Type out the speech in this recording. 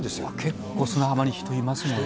結構砂浜に人いますもんね。